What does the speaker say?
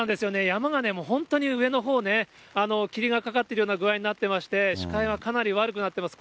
山が本当に上のほうね、霧がかかってるような具合になってまして、視界はかなり悪くなっています。